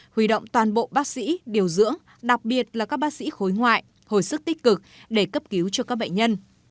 huy động toàn bộ bác sĩ điều dưỡng đặc biệt là các bác sĩ khối ngoại hồi sức tích cực để cấp cứu cho các bệnh nhân